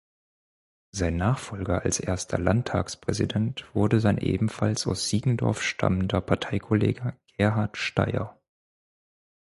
Sein Nachfolger als erster Landtagspräsident wurde sein ebenfalls aus Siegendorf stammender Parteikollege Gerhard Steier.